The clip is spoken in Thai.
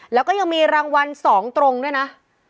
แล้วก็ยังมีรางวัล๒ตรงด้วยนะ